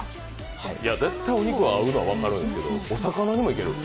絶対お肉が合うのは分かるんですけど、お魚にもいける？